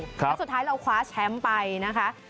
แล้วสุดท้ายเราคว้าแชมป์ไปนะคะ